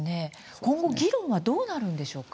今後、議論はどうなるんでしょうか。